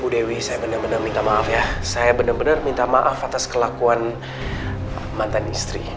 dewi saya benar benar minta maaf ya saya benar benar minta maaf atas kelakuan mantan istri